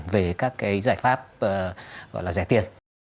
về các giải pháp gọi là rẻ tiền